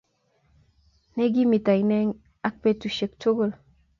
Ne igimita inne ak betushek tugul